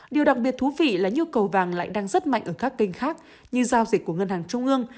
điều đặc biệt thú vị là nhu cầu vàng lại đang rất mạnh ở các kênh khác như giao dịch của ngân hàng trung ương